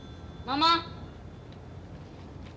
ママ。